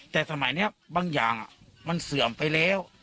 แต่สมัยนี้บางอย่างมันเสื่อมไปแล้ว